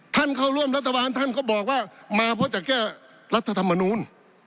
ท่านเข้าร่วมรัฐบาลท่านก็บอกว่ามาเพราะจะแก้รัฐธรรมนูล